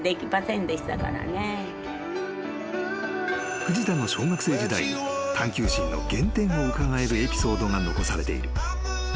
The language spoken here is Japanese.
［藤田の小学生時代に探究心の原点をうかがえるエピソードが残されている］